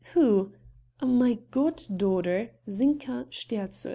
"Who? My god daughter, Zinka Sterzl."